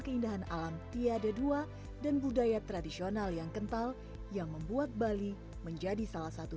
keindahan alam tiada dua dan budaya tradisional yang kental yang membuat bali menjadi salah satu